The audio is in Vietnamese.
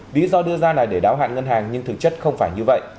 lý do đưa ra này để đáo hạn ngân hàng nhưng thực chất không phải như vậy